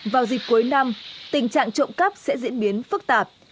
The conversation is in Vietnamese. vào dịp cuối năm tình trạng trụng cấp sẽ diễn biến phức tạp